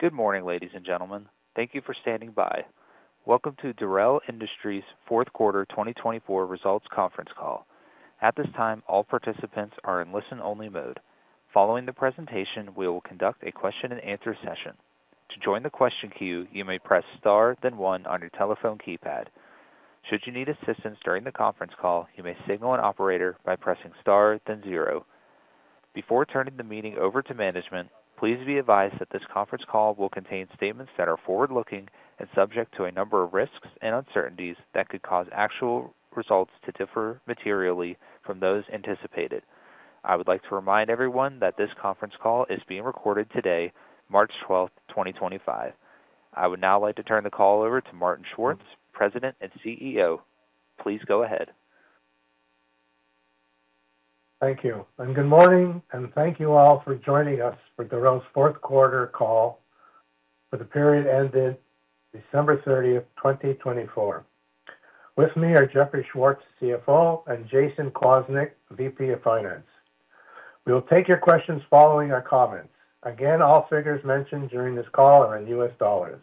Good morning, ladies and gentlemen. Thank you for standing by. Welcome to Dorel Industries' fourth quarter 2024 results conference call. At this time, all participants are in listen-only mode. Following the presentation, we will conduct a question-and-answer session. To join the question queue, you may press star, then one on your telephone keypad. Should you need assistance during the conference call, you may signal an operator by pressing star, then zero. Before turning the meeting over to management, please be advised that this conference call will contain statements that are forward-looking and subject to a number of risks and uncertainties that could cause actual results to differ materially from those anticipated. I would like to remind everyone that this conference call is being recorded today, March 12th, 2025. I would now like to turn the call over to Martin Schwartz, President and CEO. Please go ahead. Thank you. Good morning, and thank you all for joining us for Dorel's fourth quarter call for the period ending December 30th, 2024. With me are Jeffrey Schwartz, CFO, and Jason Klosnick, VP of Finance. We will take your questions following our comments. Again, all figures mentioned during this call are in U.S. dollars.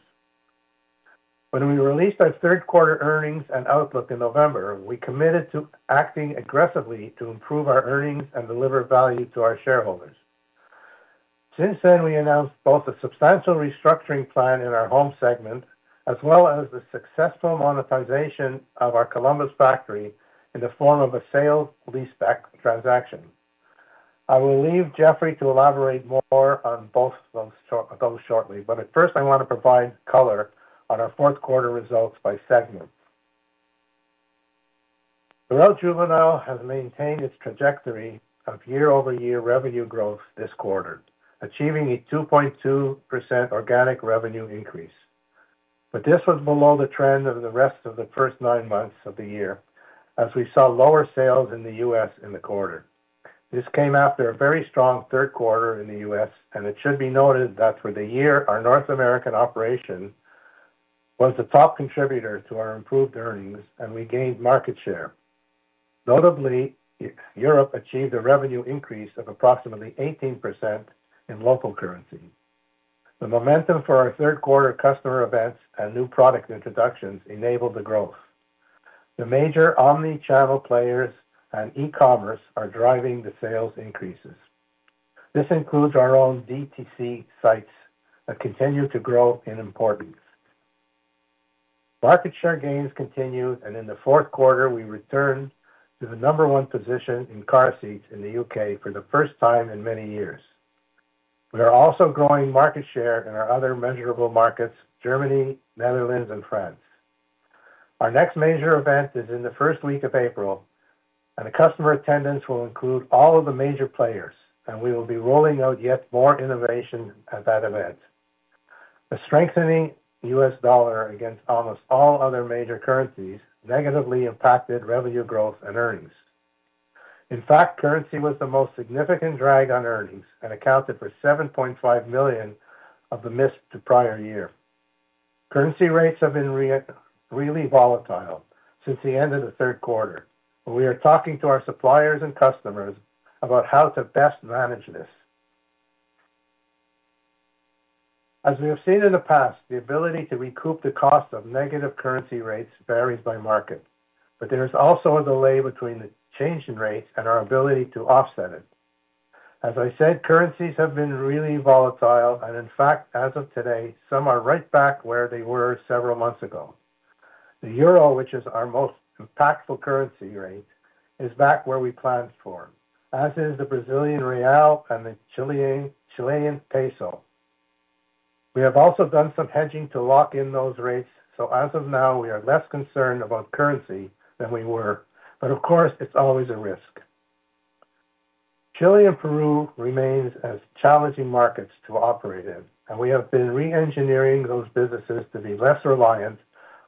When we released our third-quarter earnings and outlook in November, we committed to acting aggressively to improve our earnings and deliver value to our shareholders. Since then, we announced both a substantial restructuring plan in our home segment as well as the successful monetization of our Columbus factory in the form of a sale-leaseback transaction. I will leave Jeffrey to elaborate more on both of those shortly, but first, I want to provide color on our fourth-quarter results by segment. Dorel Juvenile has maintained its trajectory of year-over-year revenue growth this quarter, achieving a 2.2% organic revenue increase. This was below the trend of the rest of the first nine months of the year, as we saw lower sales in the U.S. in the quarter. This came after a very strong third quarter in the U.S., and it should be noted that for the year, our North American operation was the top contributor to our improved earnings, and we gained market share. Notably, Europe achieved a revenue increase of approximately 18% in local currency. The momentum for our third-quarter customer events and new product introductions enabled the growth. The major omnichannel players and e-commerce are driving the sales increases. This includes our own DTC sites that continue to grow in importance. Market share gains continue, and in the fourth quarter, we returned to the number one position in car seats in the U.K. for the first time in many years. We are also growing market share in our other measurable markets: Germany, the Netherlands, and France. Our next major event is in the first week of April, and the customer attendance will include all of the major players, and we will be rolling out yet more innovation at that event. The strengthening U.S. dollar against almost all other major currencies negatively impacted revenue growth and earnings. In fact, currency was the most significant drag on earnings and accounted for $7.5 million of the missed prior year. Currency rates have been really volatile since the end of the third quarter, and we are talking to our suppliers and customers about how to best manage this. As we have seen in the past, the ability to recoup the cost of negative currency rates varies by market, but there is also a delay between the change in rates and our ability to offset it. As I said, currencies have been really volatile, and in fact, as of today, some are right back where they were several months ago. The Euro, which is our most impactful currency rate, is back where we planned for, as is the Brazilian real and the Chilean peso. We have also done some hedging to lock in those rates, so as of now, we are less concerned about currency than we were, but of course, it's always a risk. Chile and Peru remain as challenging markets to operate in, and we have been re-engineering those businesses to be less reliant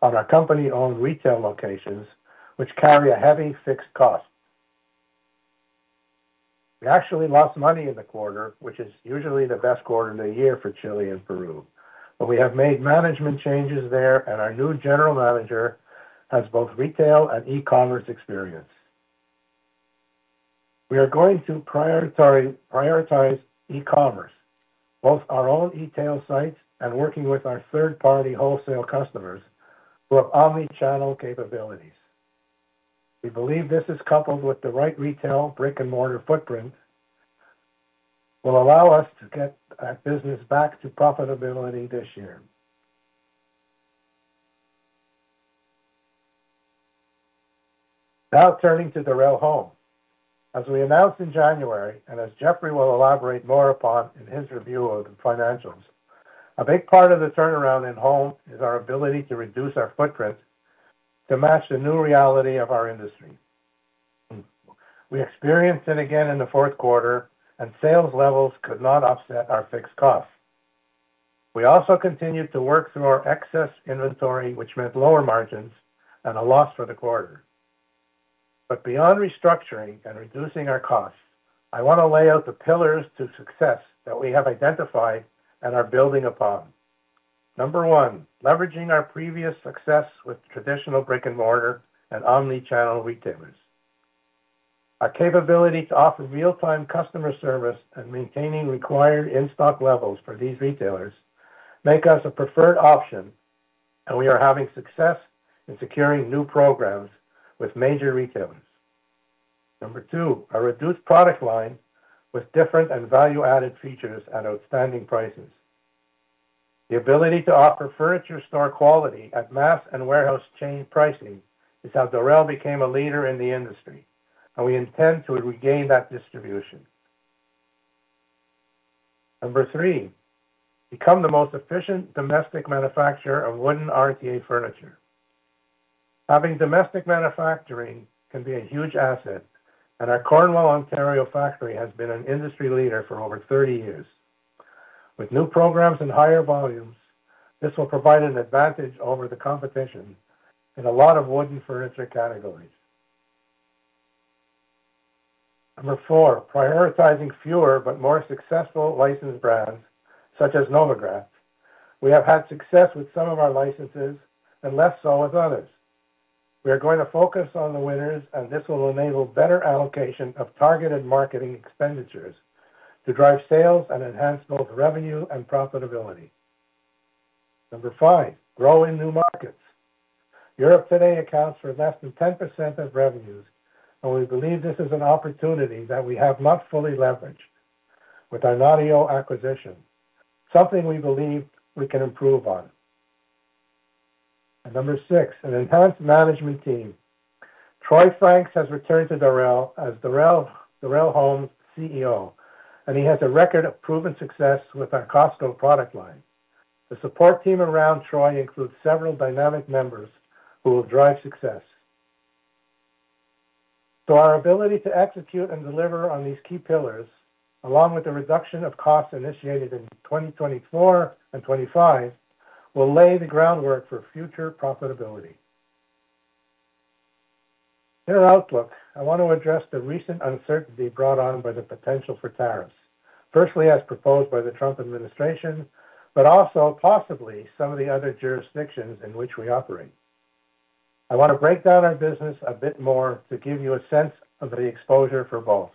on our company-owned retail locations, which carry a heavy fixed cost. We actually lost money in the quarter, which is usually the best quarter of the year for Chile and Peru, but we have made management changes there, and our new general manager has both retail and e-commerce experience. We are going to prioritize e-commerce, both our own retail sites and working with our third-party wholesale customers who have omnichannel capabilities. We believe this, coupled with the right retail brick-and-mortar footprint, will allow us to get our business back to profitability this year. Now turning to Dorel Home. As we announced in January, and as Jeffrey will elaborate more upon in his review of the financials, a big part of the turnaround in home is our ability to reduce our footprint to match the new reality of our industry. We experienced it again in the fourth quarter, and sales levels could not offset our fixed costs. We also continued to work through our excess inventory, which meant lower margins and a loss for the quarter. Beyond restructuring and reducing our costs, I want to lay out the pillars to success that we have identified and are building upon. Number one, leveraging our previous success with traditional brick-and-mortar and omnichannel retailers. Our capability to offer real-time customer service and maintaining required in-stock levels for these retailers makes us a preferred option, and we are having success in securing new programs with major retailers. Number two, a reduced product line with different and value-added features at outstanding prices. The ability to offer furniture store quality at mass and warehouse chain pricing is how Dorel became a leader in the industry, and we intend to regain that distribution. Number three, become the most efficient domestic manufacturer of wooden RTA furniture. Having domestic manufacturing can be a huge asset, and our Cornwall, Ontario factory has been an industry leader for over 30 years. With new programs and higher volumes, this will provide an advantage over the competition in a lot of wooden furniture categories. Number four, prioritizing fewer but more successful licensed brands such as Novogratz. We have had success with some of our licenses and less so with others. We are going to focus on the winners, and this will enable better allocation of targeted marketing expenditures to drive sales and enhance both revenue and profitability. Number five, grow in new markets. Europe today accounts for less than 10% of revenues, and we believe this is an opportunity that we have not fully leveraged with our Notio acquisition, something we believe we can improve on. Number six, an enhanced management team. Troy Franks has returned to Dorel as Dorel Home's CEO, and he has a record of proven success with our Cosco product line. The support team around Troy includes several dynamic members who will drive success. Our ability to execute and deliver on these key pillars, along with the reduction of costs initiated in 2024 and 2025, will lay the groundwork for future profitability. In our outlook, I want to address the recent uncertainty brought on by the potential for tariffs, firstly as proposed by the Trump administration, but also possibly some of the other jurisdictions in which we operate. I want to break down our business a bit more to give you a sense of the exposure for both.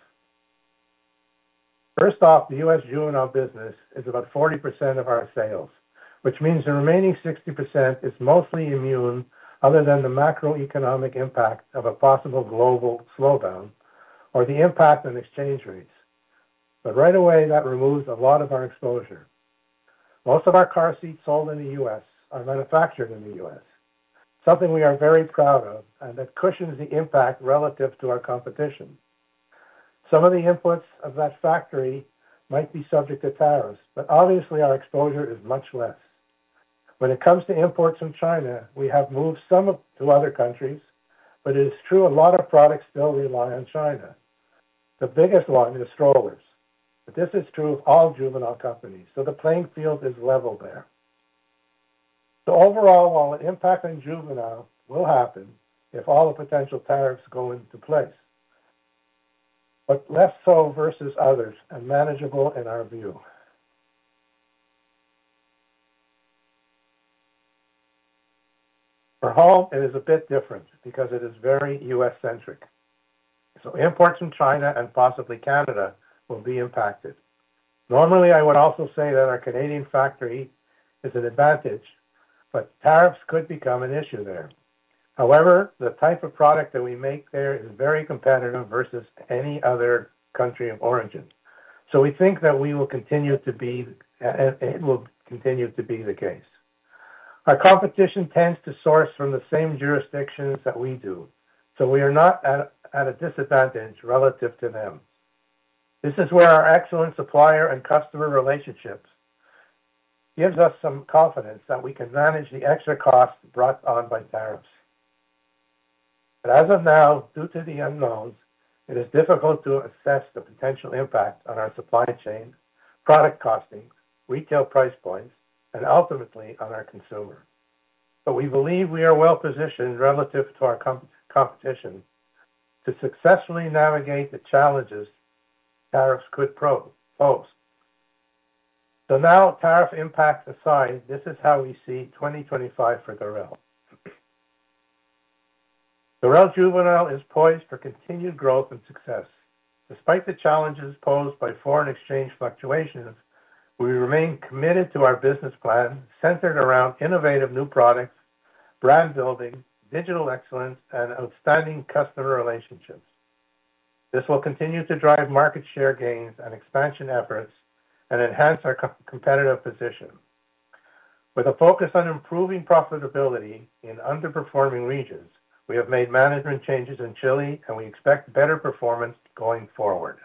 First off, the U.S. juvenile business is about 40% of our sales, which means the remaining 60% is mostly immune other than the macroeconomic impact of a possible global slowdown or the impact on exchange rates. Right away, that removes a lot of our exposure. Most of our car seats sold in the U.S. are manufactured in the U.S., something we are very proud of and that cushions the impact relative to our competition. Some of the inputs of that factory might be subject to tariffs, but obviously, our exposure is much less. When it comes to imports from China, we have moved some to other countries, but it is true a lot of products still rely on China. The biggest one is strollers, but this is true of all juvenile companies, so the playing field is level there. Overall, while the impact on juvenile will happen if all the potential tariffs go into place, it will be less so versus others and manageable in our view. For home, it is a bit different because it is very U.S.-centric. Imports from China and possibly Canada will be impacted. Normally, I would also say that our Canadian factory is an advantage, but tariffs could become an issue there. However, the type of product that we make there is very competitive versus any other country of origin. We think that we will continue to be, and it will continue to be the case. Our competition tends to source from the same jurisdictions that we do, so we are not at a disadvantage relative to them. This is where our excellent supplier and customer relationships give us some confidence that we can manage the extra costs brought on by tariffs. As of now, due to the unknowns, it is difficult to assess the potential impact on our supply chain, product costing, retail price points, and ultimately on our consumer. We believe we are well positioned relative to our competition to successfully navigate the challenges tariffs could pose. Tariff impacts aside, this is how we see 2025 for Dorel. Dorel Juvenile is poised for continued growth and success. Despite the challenges posed by foreign exchange fluctuations, we remain committed to our business plan centered around innovative new products, brand building, digital excellence, and outstanding customer relationships. This will continue to drive market share gains and expansion efforts and enhance our competitive position. With a focus on improving profitability in underperforming regions, we have made management changes in Chile, and we expect better performance going forward.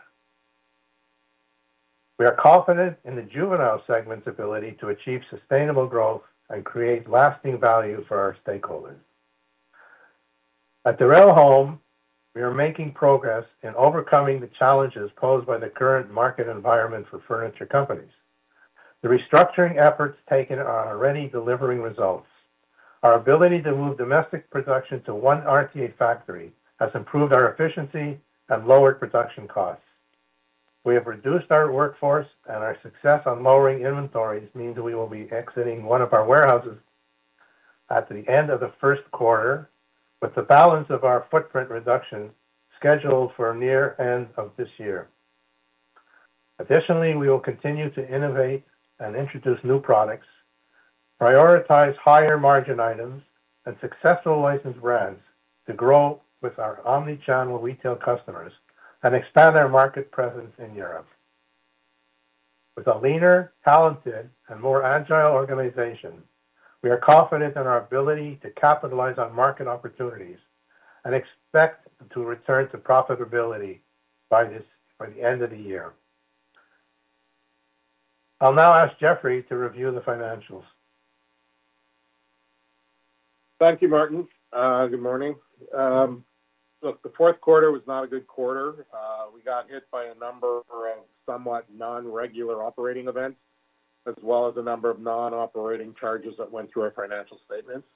We are confident in the juvenile segment's ability to achieve sustainable growth and create lasting value for our stakeholders. At Dorel Home, we are making progress in overcoming the challenges posed by the current market environment for furniture companies. The restructuring efforts taken are already delivering results. Our ability to move domestic production to one RTA factory has improved our efficiency and lowered production costs. We have reduced our workforce, and our success on lowering inventories means we will be exiting one of our warehouses at the end of the first quarter, with the balance of our footprint reduction scheduled for near the end of this year. Additionally, we will continue to innovate and introduce new products, prioritize higher margin items, and successful licensed brands to grow with our omnichannel retail customers and expand our market presence in Europe. With a leaner, talented, and more agile organization, we are confident in our ability to capitalize on market opportunities and expect to return to profitability by the end of the year. I'll now ask Jeffrey to review the financials. Thank you, Martin. Good morning. Look, the fourth quarter was not a good quarter. We got hit by a number of somewhat non-regular operating events, as well as a number of non-operating charges that went through our financial statements.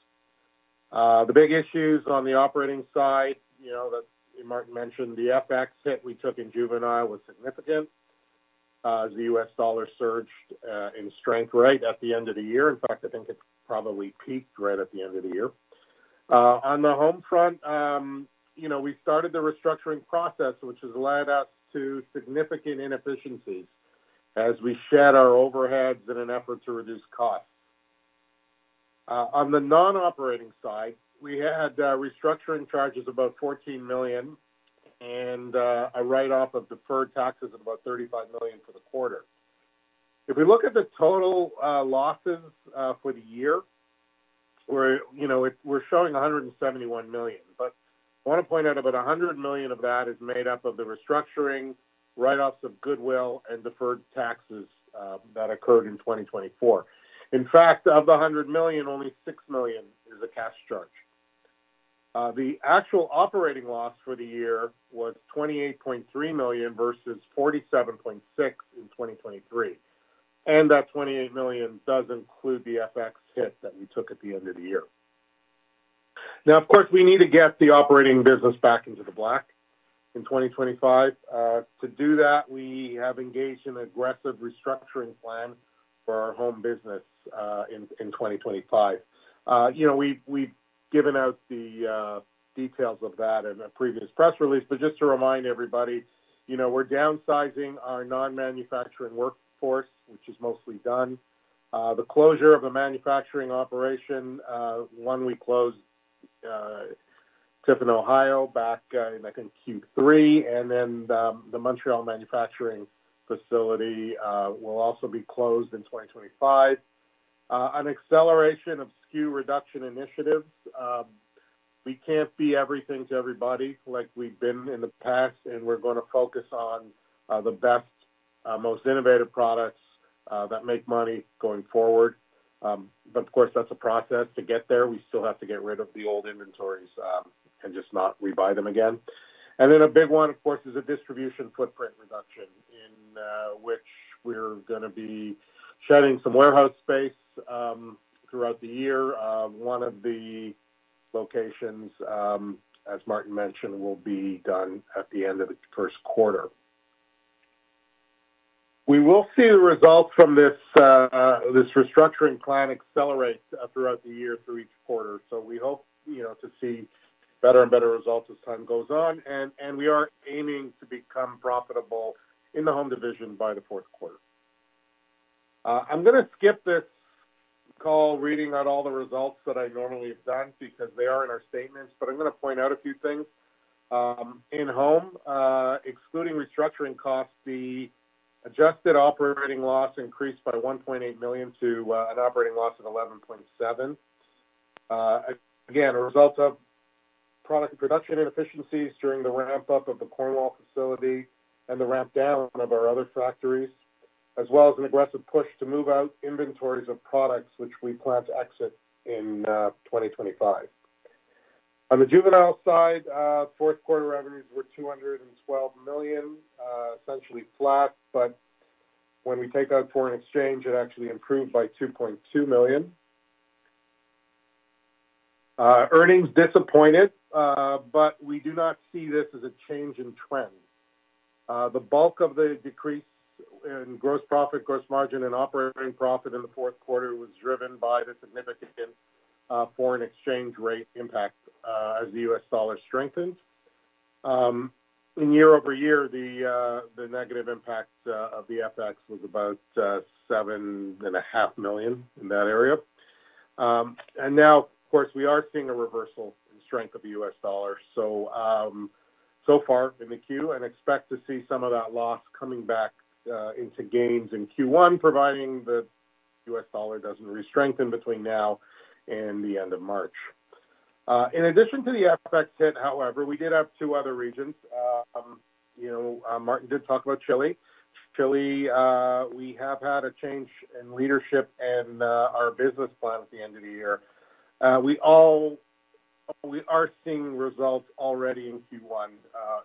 The big issues on the operating side, you know, that Martin mentioned, the FX hit we took in juvenile was significant as the U.S. dollar surged in strength right at the end of the year. In fact, I think it probably peaked right at the end of the year. On the home front, you know, we started the restructuring process, which has led us to significant inefficiencies as we shed our overheads in an effort to reduce costs. On the non-operating side, we had restructuring charges of about $14 million and a write-off of deferred taxes of about $35 million for the quarter. If we look at the total losses for the year, we're showing $171 million, but I want to point out about $100 million of that is made up of the restructuring, write-offs of goodwill, and deferred taxes that occurred in 2024. In fact, of the $100 million, only $6 million is a cash charge. The actual operating loss for the year was $28.3 million versus $47.6 million in 2023. That $28 million does include the FX hit that we took at the end of the year. Now, of course, we need to get the operating business back into the black in 2025. To do that, we have engaged in an aggressive restructuring plan for our home business in 2025. You know, we've given out the details of that in a previous press release, but just to remind everybody, you know, we're downsizing our non-manufacturing workforce, which is mostly done. The closure of the manufacturing operation, one, we closed Tiffin, Ohio back in, I think, Q3, and then the Montréal manufacturing facility will also be closed in 2025. An acceleration of SKU reduction initiatives. We can't be everything to everybody like we've been in the past, and we're going to focus on the best, most innovative products that make money going forward. Of course, that's a process to get there. We still have to get rid of the old inventories and just not rebuy them again. A big one, of course, is a distribution footprint reduction in which we're going to be shedding some warehouse space throughout the year. One of the locations, as Martin mentioned, will be done at the end of the first quarter. We will see the results from this restructuring plan accelerate throughout the year through each quarter. We hope, you know, to see better and better results as time goes on. We are aiming to become profitable in the home division by the fourth quarter. I'm going to skip this call reading out all the results that I normally have done because they are in our statements, but I'm going to point out a few things. In home, excluding restructuring costs, the adjusted operating loss increased by $1.8 million to an operating loss of $11.7 million. Again, a result of product production inefficiencies during the ramp-up of the Cornwall facility and the ramp-down of our other factories, as well as an aggressive push to move out inventories of products, which we plan to exit in 2025. On the juvenile side, fourth quarter revenues were $212 million, essentially flat, but when we take out foreign exchange, it actually improved by $2.2 million. Earnings disappointed, but we do not see this as a change in trend. The bulk of the decrease in gross profit, gross margin, and operating profit in the fourth quarter was driven by the significant foreign exchange rate impact as the U.S. dollar strengthened. In year over year, the negative impact of the FX was about $7.5 million in that area. Now, of course, we are seeing a reversal in strength of the U.S. dollar. So far in the Q, and expect to see some of that loss coming back into gains in Q1, providing the U.S. dollar doesn't restrengthen between now and the end of March. In addition to the FX hit, however, we did have two other regions. You know, Martin did talk about Chile. Chile, we have had a change in leadership and our business plan at the end of the year. We are seeing results already in Q1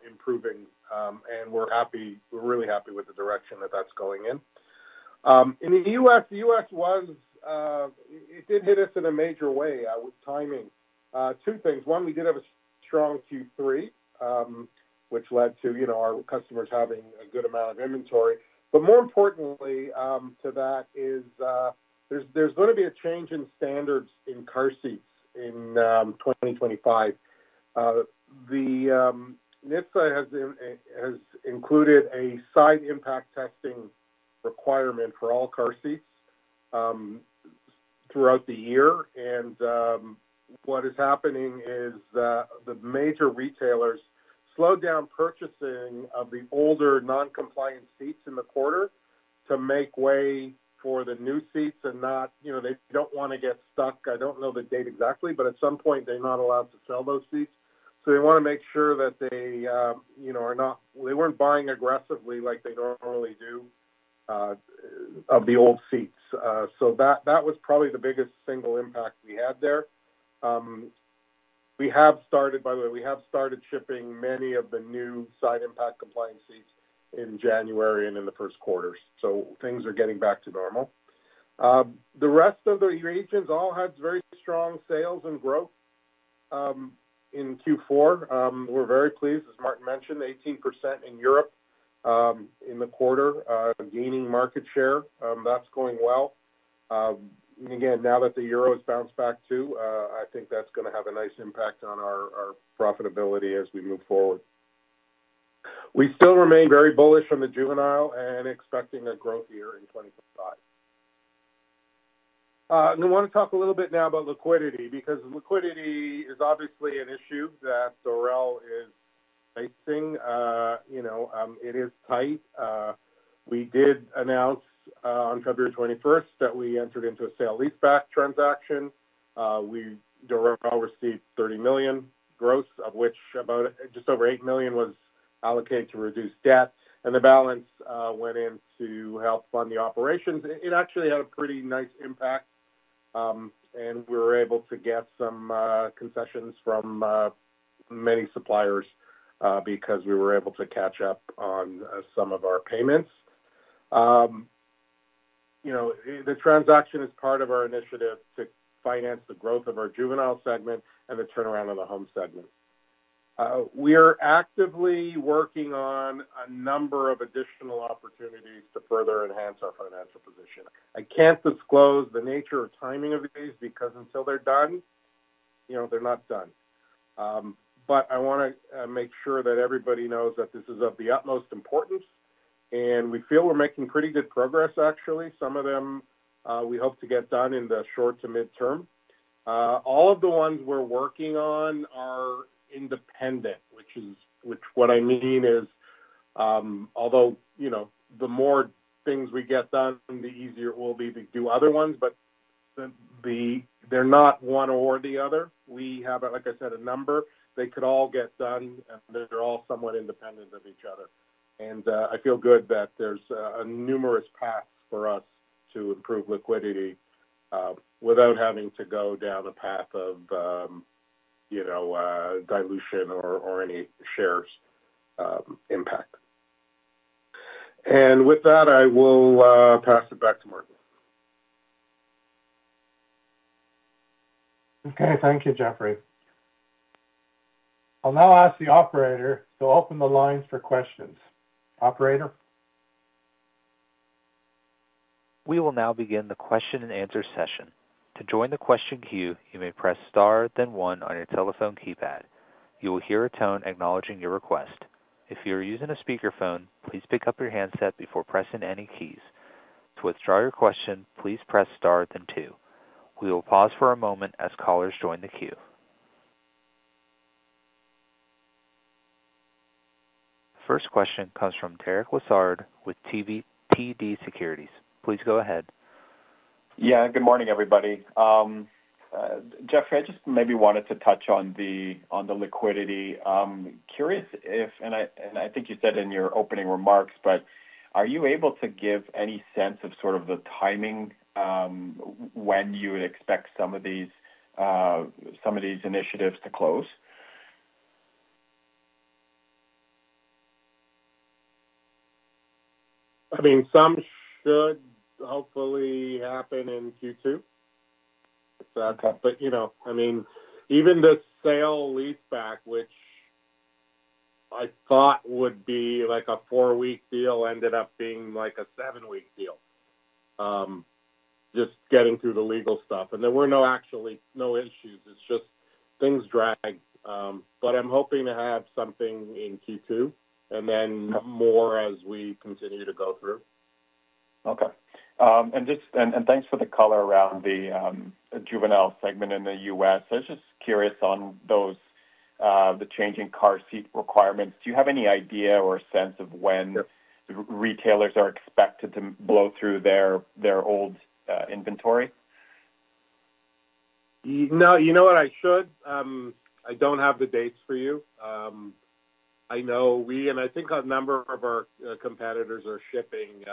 improving, and we're happy, we're really happy with the direction that that's going in. In the U.S., the U.S. was, it did hit us in a major way with timing. Two things. One, we did have a strong Q3, which led to, you know, our customers having a good amount of inventory. But more importantly to that is there's going to be a change in standards in car seats in 2025. The NHTSA has included a side impact testing requirement for all car seats throughout the year. What is happening is the major retailers slowed down purchasing of the older non-compliant seats in the quarter to make way for the new seats and not, you know, they do not want to get stuck. I do not know the date exactly, but at some point, they are not allowed to sell those seats. They want to make sure that they, you know, are not, they were not buying aggressively like they normally do of the old seats. That was probably the biggest single impact we had there. We have started, by the way, we have started shipping many of the new side impact compliant seats in January and in the first quarter. Things are getting back to normal. The rest of the regions all had very strong sales and growth in Q4. We're very pleased, as Martin mentioned, 18% in Europe in the quarter, gaining market share. That's going well. Now that the euro has bounced back too, I think that's going to have a nice impact on our profitability as we move forward. We still remain very bullish on the juvenile and expecting a growth year in 2025. I want to talk a little bit now about liquidity because liquidity is obviously an issue that Dorel is facing. You know, it is tight. We did announce on February 21 that we entered into a sale-leaseback transaction. Dorel received $30 million gross, of which about just over $8 million was allocated to reduce debt. The balance went in to help fund the operations. It actually had a pretty nice impact, and we were able to get some concessions from many suppliers because we were able to catch up on some of our payments. You know, the transaction is part of our initiative to finance the growth of our juvenile segment and the turnaround of the home segment. We are actively working on a number of additional opportunities to further enhance our financial position. I can't disclose the nature or timing of these because until they're done, you know, they're not done. I want to make sure that everybody knows that this is of the utmost importance, and we feel we're making pretty good progress, actually. Some of them we hope to get done in the short to midterm. All of the ones we're working on are independent, which is what I mean is although, you know, the more things we get done, the easier it will be to do other ones, but they're not one or the other. We have, like I said, a number. They could all get done, and they're all somewhat independent of each other. I feel good that there's numerous paths for us to improve liquidity without having to go down a path of, you know, dilution or any shares impact. With that, I will pass it back to Martin. Okay, thank you, Jeffrey. I'll now ask the operator to open the lines for questions. Operator. We will now begin the question and answer session. To join the question queue, you may press star, then one on your telephone keypad. You will hear a tone acknowledging your request. If you are using a speakerphone, please pick up your handset before pressing any keys. To withdraw your question, please press star, then two. We will pause for a moment as callers join the queue. First question comes from Derek Lessard with TD Securities. Please go ahead. Yeah, good morning, everybody. Jeffrey, I just maybe wanted to touch on the liquidity. Curious if, and I think you said in your opening remarks, but are you able to give any sense of sort of the timing when you would expect some of these initiatives to close? I mean, some should hopefully happen in Q2. You know, I mean, even the sale-leaseback, which I thought would be like a four-week deal, ended up being like a seven-week deal, just getting through the legal stuff. There were no actually no issues. It's just things dragged. I'm hoping to have something in Q2 and then more as we continue to go through. Okay. Thanks for the color around the juvenile segment in the U.S. I was just curious on those, the changing car seat requirements. Do you have any idea or sense of when retailers are expected to blow through their old inventory? No, you know what, I should? I don't have the dates for you. I know we, and I think a number of our competitors, are shipping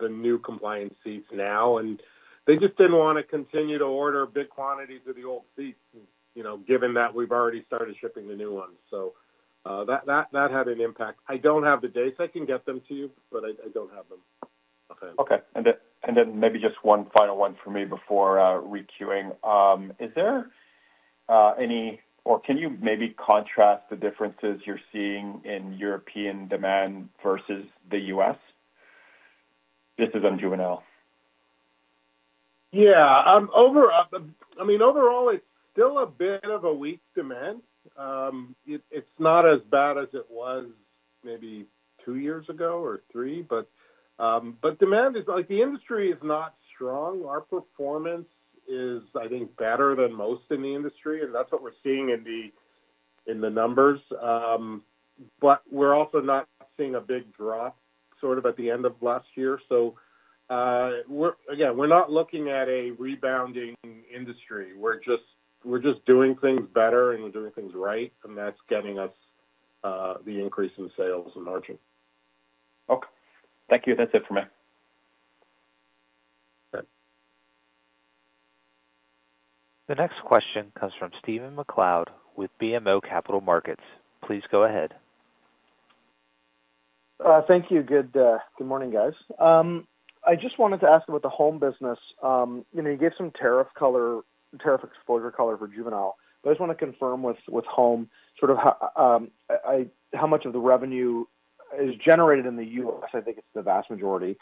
the new compliance seats now, and they just didn't want to continue to order big quantities of the old seats, you know, given that we've already started shipping the new ones. That had an impact. I don't have the dates. I can get them to you, but I don't have them offhand. Okay. Maybe just one final one for me before requeuing. Is there any, or can you maybe contrast the differences you're seeing in European demand versus the U.S? This is on juvenile. Yeah. I mean, overall, it's still a bit of a weak demand. It's not as bad as it was maybe two years ago or three, but demand is, like the industry is not strong. Our performance is, I think, better than most in the industry, and that's what we're seeing in the numbers. We're also not seeing a big drop sort of at the end of last year. We're not looking at a rebounding industry. We're just doing things better and we're doing things right, and that's getting us the increase in sales and margin. Okay. Thank you. That's it for me. Okay. The next question comes from Stephen McLeod with BMO Capital Markets. Please go ahead. Thank you. Good morning, guys. I just wanted to ask about the home business. You know, you gave some tariff color, tariff exposure color for juvenile, but I just want to confirm with home sort of how much of the revenue is generated in the U.S. I think it's the vast majority.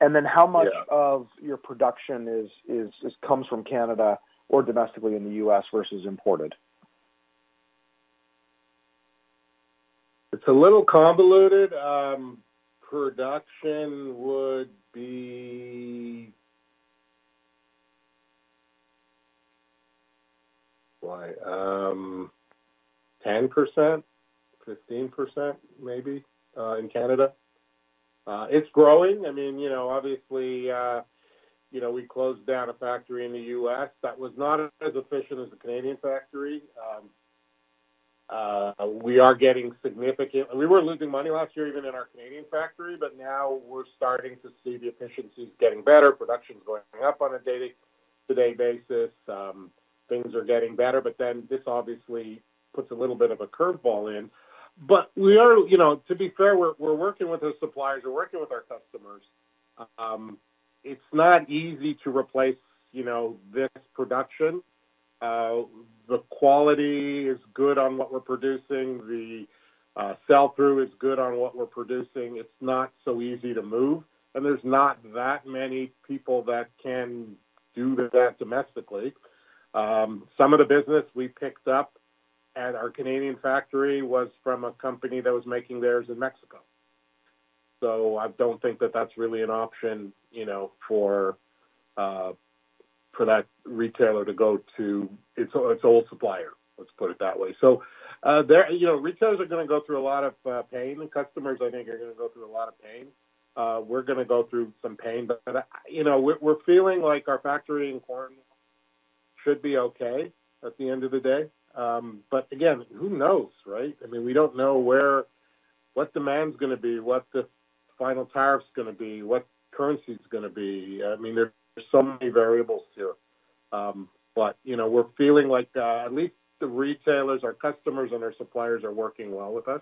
And then how much of your production comes from Canada or domestically in the U.S. versus imported? It's a little convoluted. Production would be 10%-15% maybe in Canada. It's growing. I mean, you know, obviously, you know, we closed down a factory in the U.S. That was not as efficient as the Canadian factory. We are getting significant, we were losing money last year even in our Canadian factory, but now we're starting to see the efficiencies getting better. Production's going up on a day-to-day basis. Things are getting better, but then this obviously puts a little bit of a curveball in. We are, you know, to be fair, we're working with our suppliers. We're working with our customers. It's not easy to replace, you know, this production. The quality is good on what we're producing. The sell-through is good on what we're producing. It's not so easy to move, and there's not that many people that can do that domestically. Some of the business we picked up at our Canadian factory was from a company that was making theirs in Mexico. I don't think that that's really an option, you know, for that retailer to go to its old supplier. Let's put it that way. Retailers are going to go through a lot of pain, and customers, I think, are going to go through a lot of pain. We're going to go through some pain, but you know, we're feeling like our factory in Cornwall should be okay at the end of the day. Again, who knows, right? I mean, we don't know what demand's going to be, what the final tariff's going to be, what currency's going to be. I mean, there are so many variables here. But, you know, we're feeling like at least the retailers, our customers, and our suppliers are working well with us.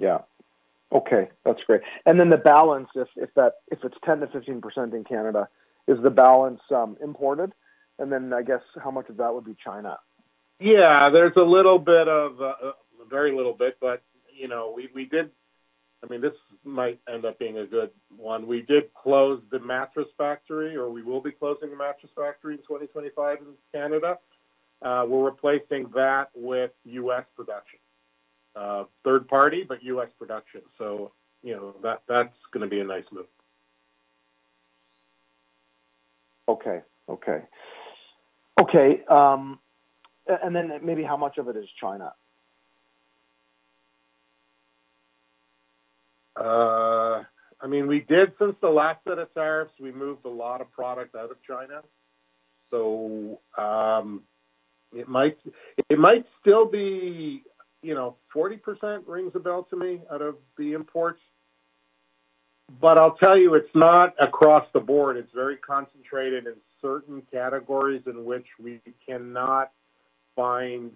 Yeah. Okay. That's great. And then the balance, if it's 10%-15% in Canada, is the balance imported? I guess how much of that would be China? Yeah. There's a little bit of, very little bit, but you know, we did, I mean, this might end up being a good one We did close the mattress factory, or we will be closing the mattress factory in 2025 in Canada. We're replacing that with U.S. production. Third party, but U.S. production. You know, that's going to be a nice move. Okay. Okay. Okay. Maybe how much of it is China? I mean, we did, since the last set of tariffs, we moved a lot of product out of China. It might still be, you know, 40% rings a bell to me out of the imports. I'll tell you, it's not across the board. It's very concentrated in certain categories in which we cannot find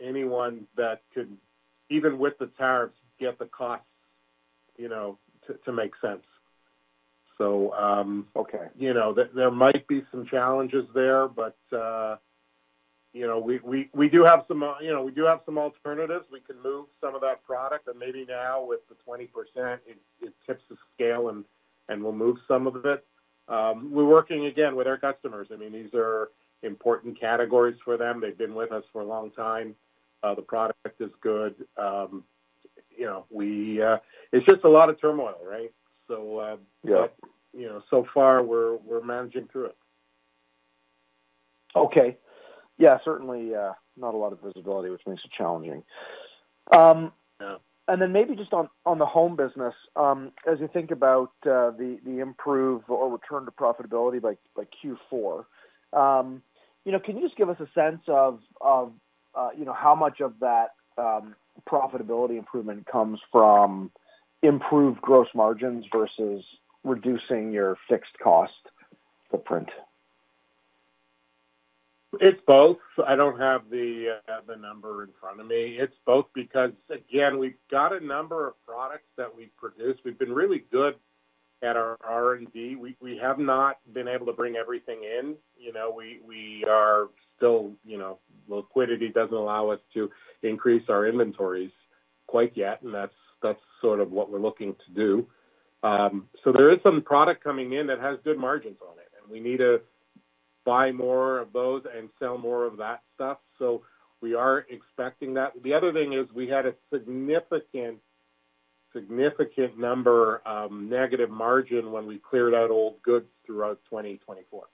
anyone that could, even with the tariffs, get the costs, you know, to make sense. You know, there might be some challenges there, but, you know, we do have some, you know, we do have some alternatives. We can move some of that product, and maybe now with the 20%, it tips the scale and we'll move some of it. We're working again with our customers. I mean, these are important categories for them. They've been with us for a long time. The product is good. You know, it's just a lot of turmoil, right? You know, so far we're managing through it. Okay. Yeah, certainly not a lot of visibility, which makes it challenging. Maybe just on the home business, as you think about the improve or return to profitability by Q4, you know, can you just give us a sense of, you know, how much of that profitability improvement comes from improved gross margins versus reducing your fixed cost footprint? It's both. I don't have the number in front of me. It's both because, again, we've got a number of products that we've produced. We've been really good at our R&D. We have not been able to bring everything in. You know, we are still, you know, liquidity doesn't allow us to increase our inventories quite yet, and that's sort of what we're looking to do. There is some product coming in that has good margins on it, and we need to buy more of those and sell more of that stuff. We are expecting that. The other thing is we had a significant, significant number of negative margin when we cleared out old goods throughout 2024.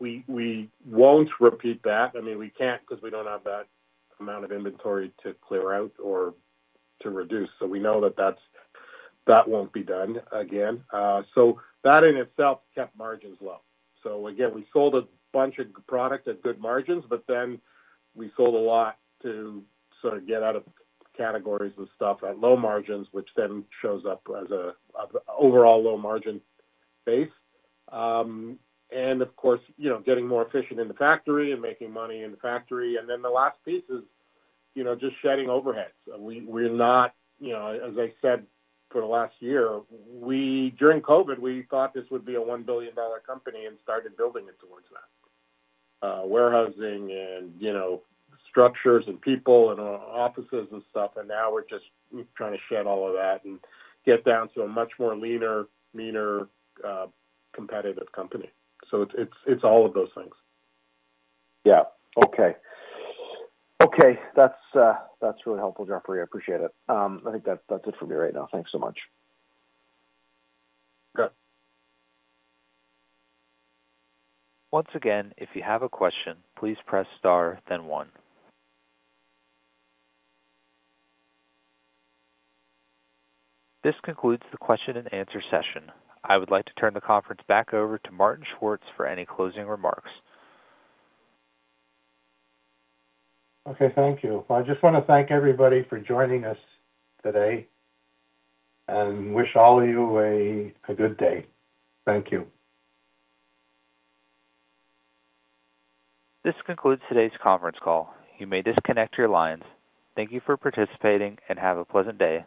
We won't repeat that. I mean, we can't because we don't have that amount of inventory to clear out or to reduce. We know that that won't be done again. That in itself kept margins low. We sold a bunch of product at good margins, but then we sold a lot to sort of get out of categories and stuff at low margins, which then shows up as an overall low margin base. Of course, you know, getting more efficient in the factory and making money in the factory. The last piece is, you know, just shedding overheads. We're not, you know, as I said for the last year, during COVID, we thought this would be a $1 billion company and started building it towards that. Warehousing and, you know, structures and people and offices and stuff. Now we're just trying to shed all of that and get down to a much more leaner, meaner competitive company. It's all of those things. Yeah. Okay. Okay. That's really helpful, Jeffrey. I appreciate it. I think that's it for me right now. Thanks so much. Okay. Once again, if you have a question, please press star, then one. This concludes the question and answer session. I would like to turn the conference back over to Martin Schwartz for any closing remarks. Okay. Thank you. I just want to thank everybody for joining us today and wish all of you a good day. Thank you. This concludes today's conference call. You may disconnect your lines. Thank you for participating and have a pleasant day.